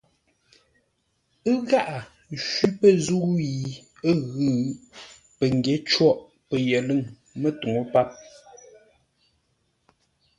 Ə̂ gháʼá shwí pə̂ zə̂u yi ə́ ghʉ̌, pəngyě côghʼ pəyəlʉ̂ŋ mətuŋú páp.